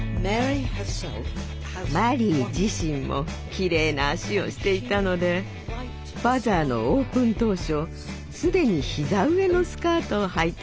マリー自身もきれいな脚をしていたので「バザー」のオープン当初すでに膝上のスカートをはいていました。